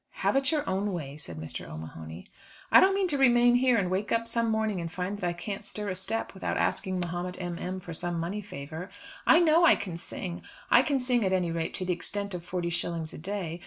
"Have it your own way," said Mr. O'Mahony. "I don't mean to remain here and wake up some morning and find that I can't stir a step without asking Mahomet M. M. for some money favour. I know I can sing; I can sing, at any rate, to the extent of forty shillings a day.